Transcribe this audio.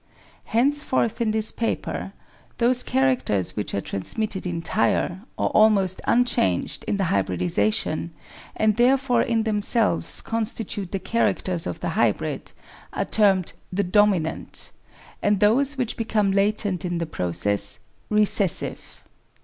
Henceforth in this paper those characters which are trans mitted entire, or almost unchanged in the hybridisation, and there fore in themselves constitute the characters of the hybrid, are termed the dominant, and those which become latent in the process recessive.